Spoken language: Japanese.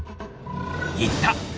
行った！